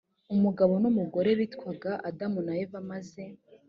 umugabo n umugore bitwaga adamu na eva maze